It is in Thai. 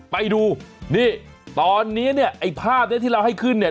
ไปดูนี่ตอนนี้เนี่ยไอ้ภาพเนี้ยที่เราให้ขึ้นเนี่ย